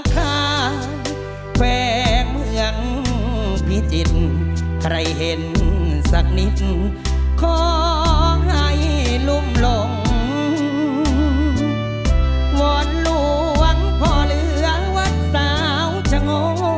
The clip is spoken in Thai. ขอให้ลุ่มลง